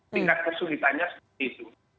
tingkat kesulitanya seperti itu